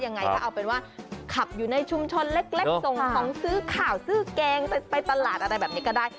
ยังไงก็เอาเป็นว่าขับอยู่ในชุมชนเล็กส่งของซื้อข่าวซื้อแกงไปตลาดอะไรแบบนี้ก็ได้